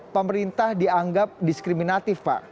pemerintah dianggap diskriminatif pak